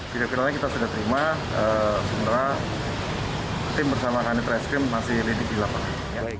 video viralnya kita sudah terima sementara tim bersama kanit reskrim masih lidik di lapangan